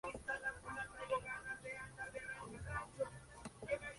Sigue en activo una asociación de propósito similar, la Federación Europea de Energías Renovables.